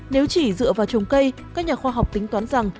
nếu chỉ dựa vào trồng cây các nhà khoa học tính toán rằng